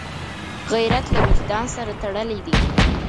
غیرت له وجدان سره تړلی دی